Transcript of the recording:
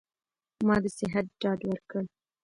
ما د صحت ډاډ ورکړ.